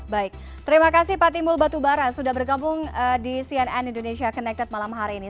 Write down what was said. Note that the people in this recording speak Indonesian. baik terima kasih pak timbul batubara sudah bergabung di cnn indonesia connected malam hari ini